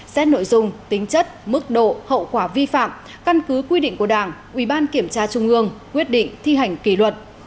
xét nội dung tính chất mức độ hậu quả vi phạm căn cứ quy định của đảng ubnd tp hcm quyết định thi hành kỷ luật